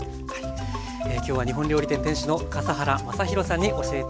今日は日本料理店店主の笠原将弘さんに教えて頂きました。